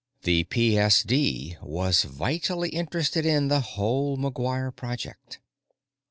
The PSD was vitally interested in the whole McGuire project.